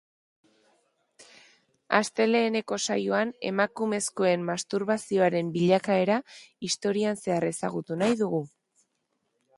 Asteleheneko saioan, emakumezkoen masturbazioaren bilakaera historian zehar ezagutu nahi dugu.